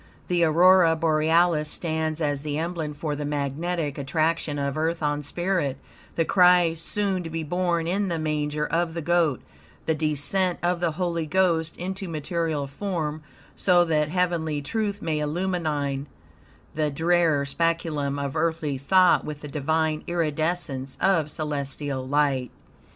The aurora borealis stands as the emblem for the magnetic attraction of Earth on spirit, the Christ soon to be born in the manger of the Goat; the descent of the Holy Ghost into material form, so that heavenly truth may illumine the drear speculum of earthly thought with the Divine iridescence of celestial light.